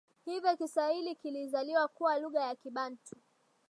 Hivyo Kiswahili kilizaliwa kuwa lugha ya Kibantu